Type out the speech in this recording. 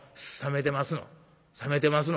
冷めてますの？